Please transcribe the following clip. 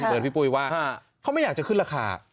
เบิร์ตพี่ปุ๊ยว่าเค้าไม่อยากจะขึ้นราคา